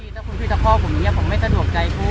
ถ้าคุณพี่จะพ่อผมอย่างเนี้ยผมไม่สะดวกใจครู